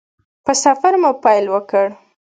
په سفر مو پیل وکړ.